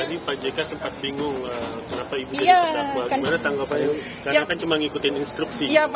tadi pak jk sempat bingung kenapa ibu jadi terdakwa gimana tanggapannya karena kan cuma ngikutin instruksi